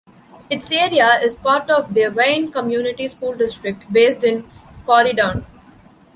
Its area is part of the Wayne Community School District, based in Corydon.